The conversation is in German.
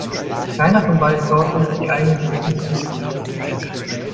Keiner von beiden traut sich, die eigenen Schwächen zuzugeben.